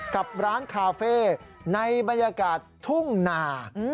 กับร้านคาเฟ่ในบรรยากาศทุ่งนา